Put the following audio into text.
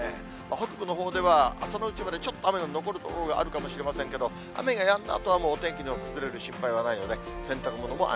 北部のほうでは朝のうちまでちょっと雨の残る所があるかもしれませんけど、雨がやんだあとはもうお天気の崩れる心配はないので、洗濯物も安